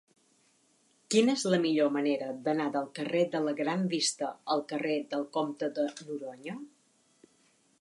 Quina és la millor manera d'anar del carrer de la Gran Vista al carrer del Comte de Noroña?